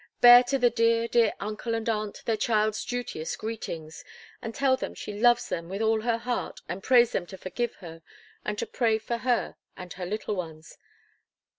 Bear to the dear, dear uncle and aunt their child's duteous greetings, and tell them she loves them with all her heart, and prays them to forgive her, and to pray for her and her little ones!